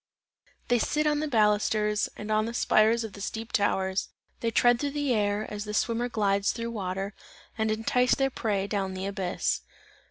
They sit on the balusters and on the spires of the steep towers, they tread through the air as the swimmer glides through the water and entice their prey down the abyss.